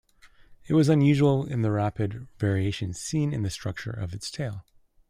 It was unusual in the rapid variations seen in the structure of its tail.